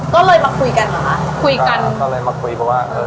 ก็เลยมาคุยกันเหรอคะคุยกันก็เลยมาคุยเพราะว่าเออ